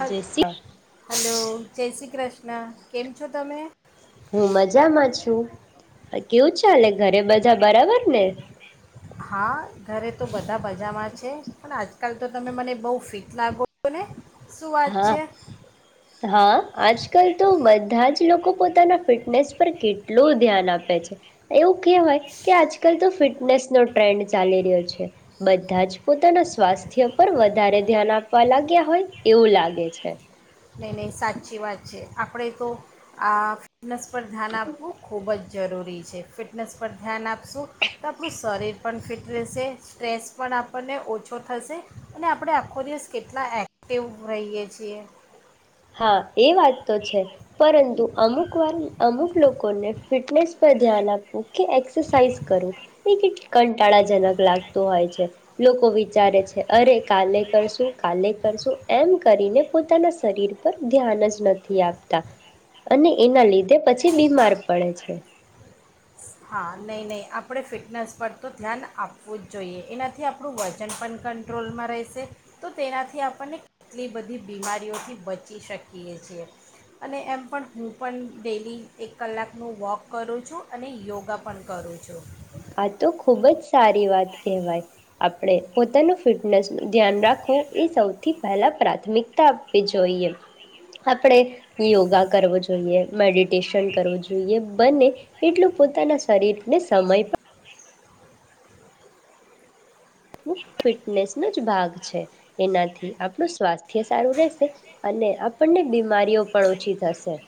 હ જય શ્રી હલો જય શ્રી કૃષ્ણ. કૃષ્ ના કેમ છો તમે? હું મજામાં છું. હ કેવું ચાલે ઘરે બધા બરાબર ને હા ઘરે તો બધા બજામાં જ છે પણ આજ કાલ તો તમે મને બહુ ફિટ લાગો છો ને. શું વાત હા છે હા આજકાલ તો બધા જ લોકો પોતાના ફિટનેસ કેટલું ધ્યાન આપે છે એવું કેવાય કે આજકાલ તો ફિટનેસ નો ટ્રેન્ડ ચાલી રહ્યો છે. બધા જ પોતાના સ્વાસ્થ્ય પર વધારે ધ્યાન આપવા લાગ્યા હોય. એવું લાગે છે. નહી નહી સાચી વાત છે આપણે તો આ નસપત ધ્યાન આપું ખોબ જ જરૂરી છે ફિટનેસ પર ધ્યાન આપશું તો આપણી શરીર પણ ફિટ રહેશે સ્ટ્રેસ પણ આપણને ઓછો થશે અને આપણે આખો દિવસ કેટલા એક્ટિવ રહીએ છીએ. હા એ વાત તો છે પરંતુ અમુક વાર અમુક લોકોને ફિટનેસ પર ધ્યાન આપવું કે એક્સરસાઇઝ કરવું એ કંટાળાજનક લાગતું હોય છે લોકો વિચારે છે અરે કાલે કરશું કાલે કરશું એમ કરીને પોતાના શરીર પર ધ્યાન જ નથી આપતા અને એના લીધે પછી બીમાર પડે છે. હા નહીં નહીં આપણે ફિટનેસ પર તો ધ્યાન આપવું જ જોઈએ એનાથી આપણું વજન પણ કંટ્રોલમાં રહેશે તો તેનાથી આપણને કેટલી બધી બીમારીઓથી બચી શકીએ છીએ અને એમ પણ હું પણ ડેલી એક કલાકનું વોક કરું છું અને યોગ ગ પણ કરું છું. આ તો ખુબ જ સારી વાત કહેવાય આપડ પોતાનું ફિટનેસ નું ધ્યાન રાખું. એ સૌથી પહેલા પ્રાથમિકતા આપવી જોઈએ. આપણે યોગા કરવો જોઈએ. જોઈએ મેડ ષણ કરવું જોઈએ બંને એટલું પોતાના શરીરને સમય ફિટનેસ નો જ ભાગ છે એનાથી આપણું સ્વાસ્થ્ય સારું રહેશે અને આપણને બીમારીઓ પણ ઓછી થશે.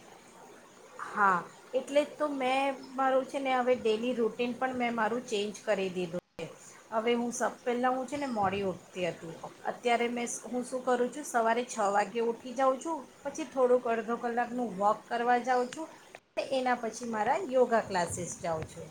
હા એટલે જ તો મેં મારું છે ને હવે ડેલી રૂટીન પણ મેં મારું ચેન્જ કરી દીધું છે. હવે હું સ પહેલાં હું છે ને મોડીયો તે હતું અત્યારે મેં હું શું કરું છું સવારે છ વાગે ઉઠી જાઉં છું પછી થોડુંક અડધો કલાકનું વોક કરવા જાઉં છું અને એના પછી મારા યોગા ક્લાસીસ જાઉં છું.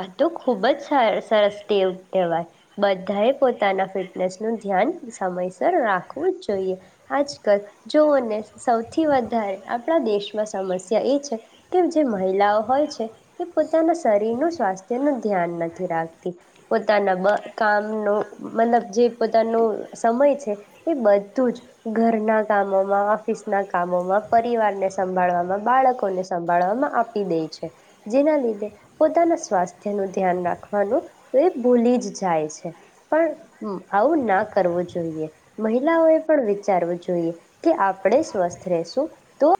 આ તો ખૂબ જ સરસ ટેવ કહેવાય બધાએ પોતાના ફિટનેસનું ધ્યાન સમયસર રાખવું જોઈએ આજકાલ જોઓને સૌથી વધારે આપણા દેશમાં સમસ્યા એ છે કે જે મહિલાઓ હોય છે એ પોતાના શરીરનું નથી રાખતી પોતાના બ કામનું મતલબ જે પોતાનું સમય છે એ બધું જ ઘરના કામોમાં ઓફિસના કામોમાં પરિવારને સંભાળવામાં બાળકોને સંભાળવામાં આપી દે છે જેના લીધે પોતાના સ્વાસ્થ્ય નું ધ્યાન રાખવાનું તો એ ભૂલી જ જાય છે પણ આવું ના કરવું જોઈએ મહિલાઓએ પણ વિચારવું જોઈએ કે આપણે સ્વસ્થ રશું તો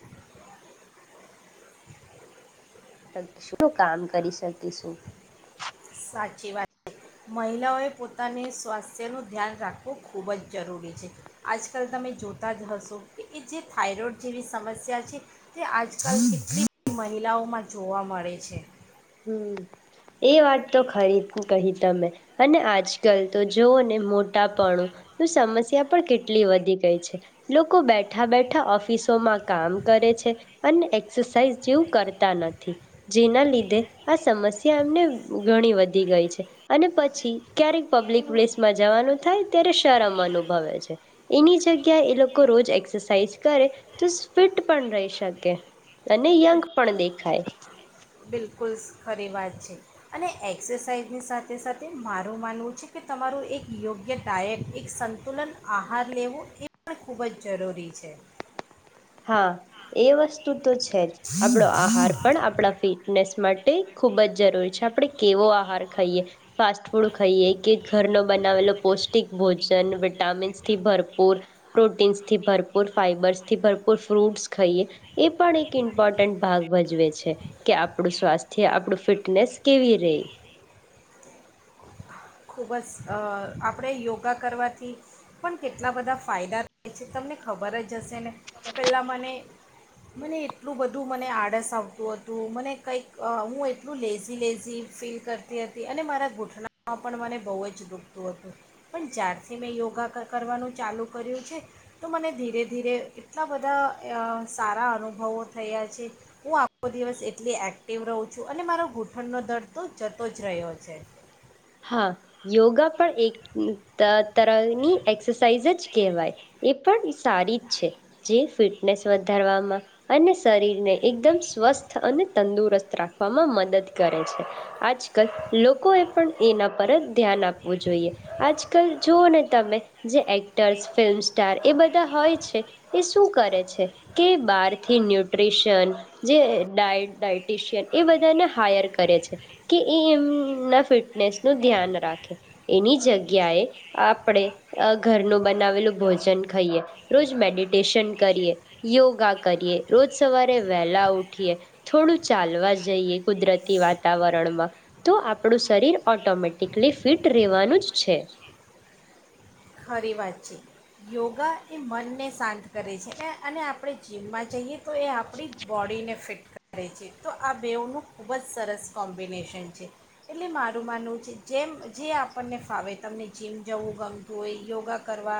શું કામ કરી શકીશું. સાચી વાત છે મહિલાઓએ પોતાને સ્વાસ્થ્યનું ધ્યાન રાખવું ખૂબ જ જરૂરી છે આજકાલ તમે જોતા જ હશો કે એ જે થાઈરોઈડ જેવી સમસ્યા છે તે આજકાલ કેટલીધ મહિલાઓમાં જોવા મળે છે. હમ એ વાત તો ખરી કહી તમે અને આજકાલ તો જોઓ ને મોટાપણો સમસ્યા પણ કેટલી વધી ગઈ છે લોકો બેઠા બેઠા ઓફિસોમાં કામ કરે છે અને એક્સરસાઇઝ જેવું કરતા નથી જેના લીધે આ સમસ્યા એમને ઘણી વધી ગઈ છે અને પછી ક્યારેક પબ્લિક પ્લેસમાં જવાનું થાય ત્યારે શરમ અનુભવે છે એની જગ્યા એ લોકો રોજ એક્સરસાઇઝ કરે તો ફિટ પણ રહી શકે અને યંગ પણ દેખાય. બિલકુલ ખરી વાત છે અને એક્સરસાઇઝની સાથે સાથે મારું માનવું છે કે તમારું એક યોગ્ય ડાયટ એક સંતુલન આહાર લેવો એ પણ ખૂબ જ જરૂરી છે. હા એ વસ્તુ છે આપો આહાર પણ આપ ફિટને માટે ખૂબ જ જરૂરી છે આપડણે કેવો આહાર ખાઈએ ફાસ્ટ ફૂડ ખાઈએ કે ઘરનો બનાવેલો પૌષ્ટિક ભોજન વિટામિન્સ થી ભરપૂર પ્રોટીન્સ થી ભરપૂર ફાઈબર્સથી ભપર ફ્રૂટસ ખાઈએ એ પણ એક ઇમ્પોર્ટન્ટ ભાગ ભજવે છે કે આપણું સ્વાસ્થ્ય આપણું ફિટનેસ કેવી ર ખૂબ જ આપણે યોગા કરવાથી પણ કેટલા બધા ફાયદા થ છે તમને ખબર જ જશે ને પહેલાં મને મને એટલું બધું મને આળસ આવતું હતું મને કંઈક હું એટલું લેઝી લેઝી ફીલ કરતી હતી અને મારા ગોઠનામાં પણ મને બહુ જ દુખતું હતું પણ જ્યારથી મેં યોગા કરવાનું ચાલુ કર્યું છે તો મને ધીરે ધીરે એટલા બધા સારા અનુભવો થયા છે હું આખો દિવસ એટલી એક્ટિવ રહું છું અને મારો ગૂંઠણનો દર્ તો જતો જ રહ્યો છે. હા યોગા પણ એક તરની એક્સરસાઇઝ જ કહેવાય એ પણ સારી જ છે જે ફિટનેસ વધારવામાં અને શરીરને એકદમ સ્વસ્થ અને તંદુરસ્ત રાખવામાં મદદ કરે છે આજકાલ લોકો એ પણ એના પર જ ધ્યાન આપવું જોઈએ આજકાલ જુઓ ને તમે જે એક્ટર્સ ફિલ્મસ્ટ્ટાર એ બધા હોય છે એ શું કરે છે કે બહારથી ન્યુટ્રીશન જે ડાય ડાયટિશિયન એ બધાને હાયર કરે છે કે એ એમના ફિટ ફિટનેસનું ધ્યાન રાખે એની જગ્યાએ આપણે ઘરનું બનાવેલું ભોજન ખાઈએ રોજ મેડિટેશન કરીએ યોગા કરીએ રોજ સવારે વહેલા ઉઠીએ થોડું ચાલવા જઈએ કુદરતી વાતાવરણમાં તો આપણું શરીર ઓઑટોમેટિકલી ફિટ રહેવાનું જ છે. ખરી વાત છે યોગા એ મનને શાંત કરે છે અને આપણે જીમમાં જઈએ તો એ આપણી બોડીને ફિટ કરે છે તો આ બેઓનું ખૂબ જ સરસ કોમ્બિનેશન છે એટલે મારું માનવું છે જેમ જે આપણને ફાવે તમને જીમ જવું ગમ હોય યોગા કરવા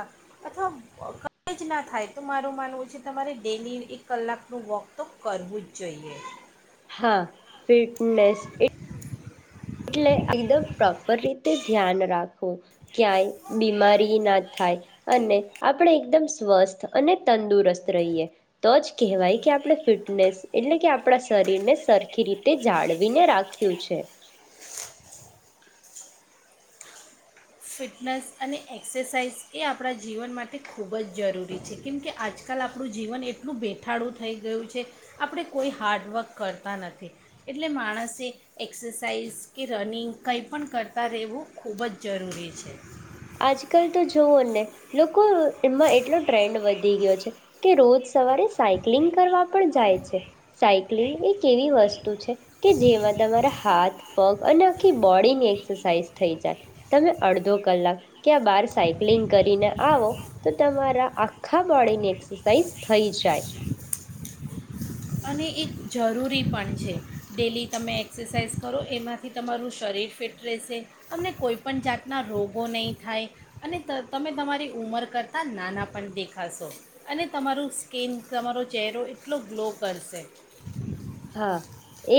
અથવા ક જ ના થાય તો મારું માનવું છે તમારે ડેલી એક કલાકનું વોક તો કરવું જ જોઈએ. હા. ફિટનેસ એ એટલે એકદમ પ્રોપર રીતે ધ્યાન રાખવું ક્યાંય બીમારી ના થાય અને આપણે એકદમ સ્વસ્થ અને તંદુરસ્ત રહીએ તો જ કહેવાય કે આપણે ફિટનેસ એટલે કે આપણા શરીરને સરખી રીતે જાળવીને રાખ્યું છે. ફિટનેસ અને એક્સરસાઇઝ એ આપણા જીવન માટે ખૂબ જ જરૂરી છે કેમકે આજકાલ આપણું જીવન એટલું બેઠાડું થઈ ગયું છે આપણે કોઈ હાર્ડવર્ક કરતા નથી એટલે માણસે એક્સરસાઇઝ કે રનિંગ કંઈ પણ કરતાં રહેવું ખૂબ જ જરૂરી છે. છે. આજકાલ તો જોવો ને લોકોમાં એટલો ટ્રેન્ડ વધી ગયો છે કે રોજ સવારે સાયક્લિંગ કરવા પણ જાય છે સાયક્લિંગ એક એવી વસ્તુ છે કે જેમાં તમારા હાથ પગ અને આખી બોડીની એક્સરસાઇઝ થઈ જાય તમે અડધો કલાક ક્યાં બાર સાયક્લિંગ કરીને આવો તો તમારા આખા બોડીની એક્સરસાઇઝ થઈ જાય. અને એક જરૂરી પણ છે ડેલી તમે એક્સરસાઇઝ કરો એમાંથી તમારું શરીર ફિટ રહેશે તમને કોઈપણ જાતના રોગો નહીં થાય અને ત તમે તમારી ઉંમર કરતાં નાના પણ દેખાશો અને તમારું સ્કીન તમારો ચહેરો એટલો ગ્લો પડશેે. હા.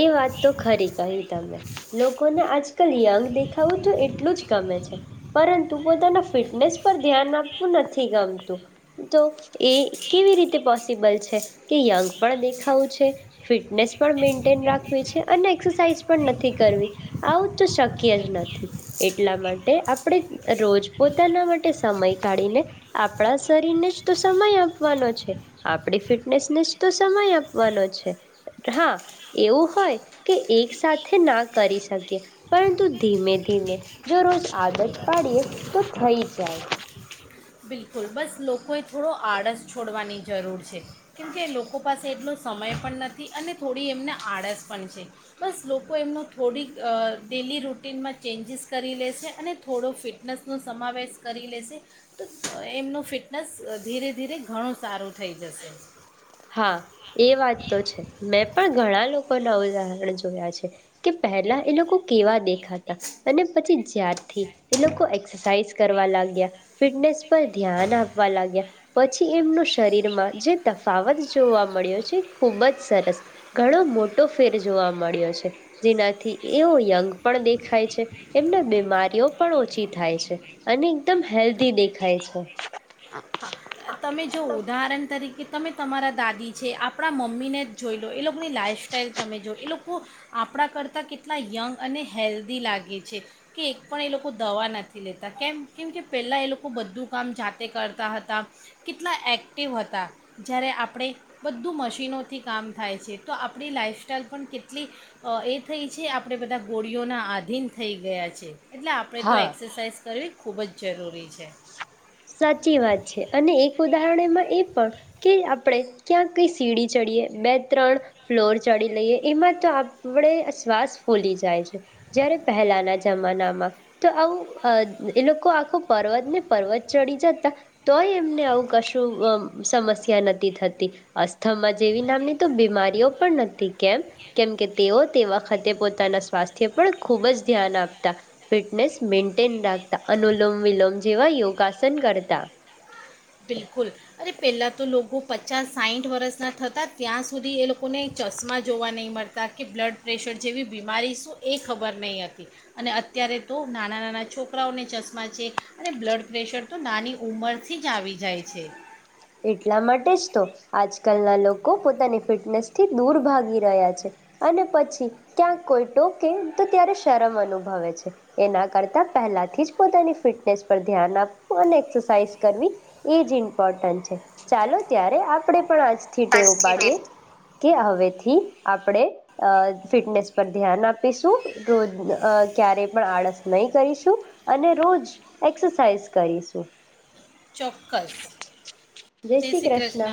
એ વાત તો ખરી કહી તમે. લોકોને આજકાલ યંગ દેખાવું તો એટલું જ ગમે છે, પરંતુ પોતાના ફિટનેસ પર ધ્યાન આપવું નથી ગમતું, તો એ કેવી રીતે પોસિબલ છે કે, યંગ પણ દેખાવું છે ફિટનેસ પણ મેન્ટેન રાખવી છે, અને એક્સરસાઇઝ પણ નથી કરવી. આવું તો શક્ય જ નથી એટલા માટે આપણે અહ રોજ પોતાના માટે સમય કાઢીને આપણા શરીરને જ તો સમય આપવાનો છે. આપણી ફિટનેસને જ તો સમય આપવાનો છે. હા એવું હોય કે એક સાથે ના કરી શકીએ, પરંતુ ધીમે-ધીમે જો રોજ આદત પાડીએ તો થઈ જાય. બિલકુલ. બસ લોકોએ થોડો આળસ છોડવાની જરૂર છે, કેમકે લોકો પાસે એટલો સમય પણ નથી અને થોડી એમને આળસ પણ છે. બસ લોકો એમનો થોડીક અહ ડેલી રૂટીનમાં ચેન્જીસ કરી લેશે અને થોડો ફિટનેસનો સમાવેશ કરી લેશે તો અહ એમનું ફિટનેસ ધીરે-ધીરે ઘણું સારું થઈ જશે. હા એ વાત તો છે. મેં પણ ઘણા લોક કોના ઉદાહરણ જોયા છે, કે પહેલા એ લોકો કેવા દેખાતા અને પછી જ્યાર થી એ લોકો એક્સરસાઈઝ કરવા લાગ્યા, ફિટનેસ પર ધ્યાન આપવા લાગ્યા, પછી એમનું શરીરમાં જે તક ફાવત જોવા મળ્યો છે, ખુબ જ સરસ. ઘણો મોટો ફેર જોવા મળ્યો છે. જેનાથી એઓ યંગ પણ દેખાય છે, એમને બીમારીઓ પણ ઓછી થાય છે, અને એકદમ હેલ્ધી દેખાય છે. હા તમે જો ઉદાહરણ તરીકે તમે તમારા દાદી છે, આપણા મમ્મીને જ જોઈ લો, એ લોકોની લાઈઇફસ્ટાઈલ તમે જો, એ લોકો આપણા કરતાં કેટલા યંગ અને હેલ્ધી લાગે છે, કે એક પણ એ લોકો દવા નથી લેતા, કેમ? કેમ કે પહેલાં એ લોકો બધું કામ જાતે કરતા હતા. કેટલા એક્ટિવ હતા, જ્યારે આપણે બધું મશીનોથી કામ થાય છે. તો આપણી લાઇફસ્ટાઈલ પણ કેટલી અહ એ થઈ છે, આપણે બધા ગોળીઓના આધીન થઈ ગયા છે. એટલે આપણેે તો હા એક્સરસાઇઝ કરવી ખૂબ જ જરૂરી છે સાચી વાત છે. અને એક ઉદાહરણ એમાં એ પણ કે આપણે ક્યાંક કઈ સીડી ચડીએ, બે ત્રણ ફ્લોર ચડી લઈએ, એમાં તો આપણે શ્વાસ ફૂલી જાય છે. જયારે પહેલાના જમાનામાં તો આવું અહ એ લોકો આખું પર્વત ને પર્વત ચડી જતા તોય એમને આવું કશું અહ સમસ્યા નથી થતી. અસ્થમાં જેવી નામની તો બીમારીઓ પણ નતી, કેમ? કેમ કે તેઓ તે વખતે પોતાના સ્વાસ્થ્ય પણ ખુબ જ ધ્યાન આપતા, ફિટનેસ મેન્ટેન રાખતા, અનુલોમ વિલોમ જેવા યોગાસન કરતા. બિલકુલ અરે પહેલા તો પચાસ સાઈઠ વરષના થતાં ત્યાં સુધી એ લોકોને ચશ્મા જોવા નહીં મળતા કે બ્લડ પ્રેશર જેવી બીમારી શું એ ખબર નહીં હતી અને અત્યારે તો નાનાં નાના છોકરાઓને ચશ્મા છે અને બ્લડ પ્રેશર તો નાની ઉંમરથી જ આવી જ જાય છે. એટલા માટે જ તો આજકાલના લોકો પોતાની ફિટનેસ થી દૂર ભાગી રહ્યા છે અને પછી ક્યાંક કોઈ ટોકે તો ત્યારે શરમ અનુભવે છે એના કરતા પહેલાથી જ પોતાની ફિટનેસ પર ધ્યાન આપવું અને એસરસાઇઝ કરવી એ જ ઇમ્પોર્ટન્ટ છે. ચાલો ત્યારે આપડે પણ આજ થી ટેવ આજથી ડે ઉપડીએ કે હવેથી થી આપણે ફિટનેસ પર ધ્યાન આપીશું રોજ ક્યારેય પણ આળસ નહી કરીશું અને રોજ એક્સરસાઇઝ કરીશું. ચોક્કસ જય શ્રી કૃષ્ણ.